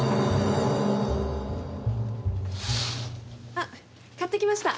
あっ買ってきました。